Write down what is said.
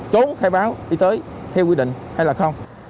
chốn khai báo đi tới theo quy định hay không